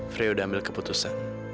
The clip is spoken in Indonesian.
frey udah ambil keputusan